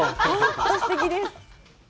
本当にすてきです。